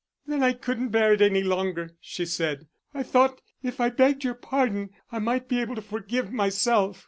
"Then I couldn't bear it any longer," she said. "I thought if I begged your pardon I might be able to forgive myself.